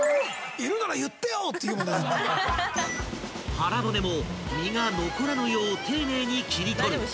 ［腹骨も身が残らぬよう丁寧に切り取る］